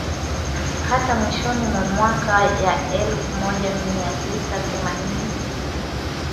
hata mwishoni mwa miaka ya elfu moja mia tisa themanini